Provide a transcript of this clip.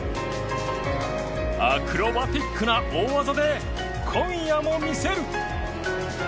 アクロバティックな大技で今夜も見せる！